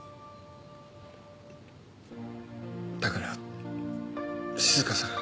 だから静香さん。